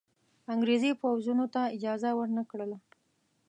انګرېزي پوځونو ته اجازه ورنه کړه.